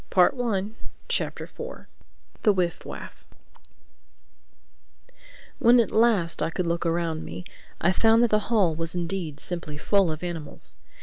THE FOURTH CHAPTER THE WIFF WAFF WHEN at last I could look around me I found that the hall was indeed simply full of animals.